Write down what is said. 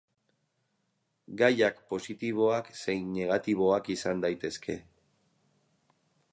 Gaiak positiboak zein negatiboak izan daitezke.